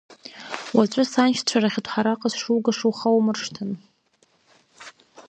Уаҵәы саншьцәа рахь Оҭҳараҟа сшугаша ухоумыршҭын!